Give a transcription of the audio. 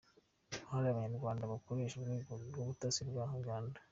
Hari abanyarwanda bakoresha Urwego rw’Ubutasi rwa Uganda